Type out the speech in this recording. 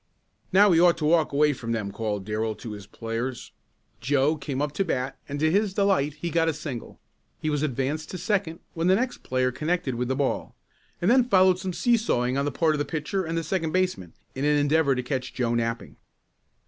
"Now we ought to walk away from them," called Darrell to his players. Joe came up to bat and to his delight he got a single. He was advanced to second when the next player connected with the ball, and then followed some see sawing on the part of the pitcher and the second baseman, in an endeavor to catch Joe napping.